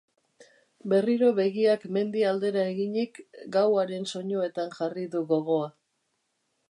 Berriro begiak mendi aldera eginik, gauaren soinuetan jarri du gogoa.